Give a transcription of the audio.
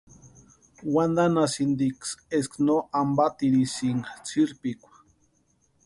Wantanhasïntiksï eska no ampatirisïnka sïrpikwa.